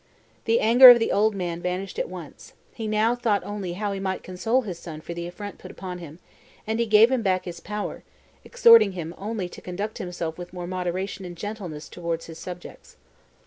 The anger of the old man vanished at once: he now thought only how he might console his son for the affront put upon him, and he gave him back his power, exhorting him only to conduct himself with more moderation and gentleness towards his subjects.